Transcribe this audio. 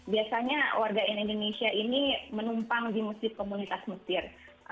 biasanya warga indonesia ini menumpang di masjid komunitas mesir